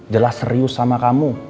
jelas serius sama kamu